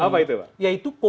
apa itu pak